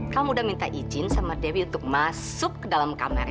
kamu udah minta izin sama dewi untuk masuk ke dalam kamar